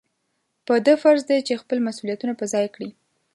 په ده فرض دی چې خپل مسؤلیتونه په ځای کړي.